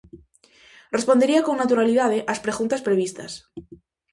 Respondería con naturalidade ás preguntas previstas.